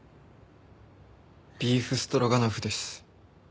ビーフストロガノフです。